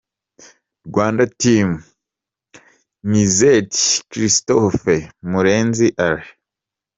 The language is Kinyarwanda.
Rwanda Team: Nizette Christophe& Murenzi Alain.